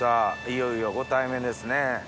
いよいよご対面ですね。